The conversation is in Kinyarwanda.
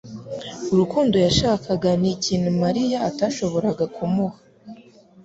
Urukundo yashakaga ni ikintu Mariya atashoboraga kumuha.